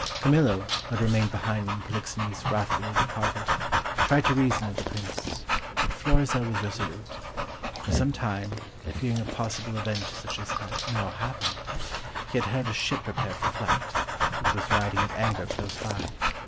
Camillo, who had remained behind when Polixenes wrathfully departed, tried to reason with the Prince. But Florizel was resolute. For some time, fearing a possible event such as had now happened, he had had a ship prepared for flight, which was riding at anchor close by.